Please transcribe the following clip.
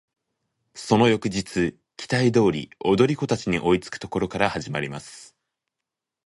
その翌日期待通り踊り子達に追いつく処から始まります。